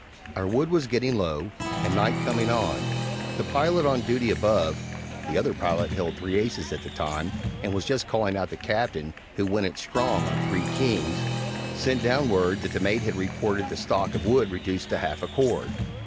Our wood was getting low, and night coming on. The pilot on duty above (the other pilot held three aces at the time, and was just calling out the Captain, who "went it strong" on three kings) sent down word that the mate had reported the stock of wood reduced to half a cord.